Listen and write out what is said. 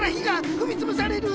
ふみつぶされる！